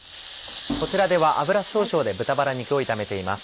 こちらでは油少々で豚バラ肉を炒めています。